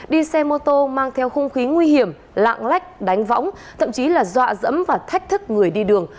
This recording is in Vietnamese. đi xe mô tô mang theo hung khí nguy hiểm lạng lách đánh võng thậm chí là dọa dẫm và thách thức người đi đường